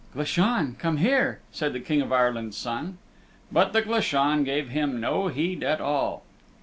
"Glashan, come here," said the King of Ireland's Son. But the Glashan gave him no heed at all.